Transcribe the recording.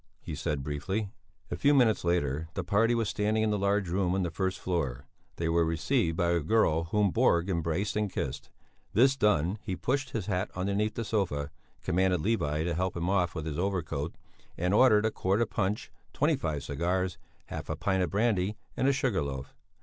he said, briefly. A few minutes later the party was standing in the large room on the first floor; they were received by a girl whom Borg embraced and kissed; this done, he pushed his hat underneath the sofa, commanded Levi to help him off with his overcoat, and ordered a quart of punch, twenty five cigars, half a pint of brandy, and a sugar loaf.